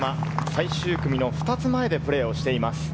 最終組の２つ前でプレーしています。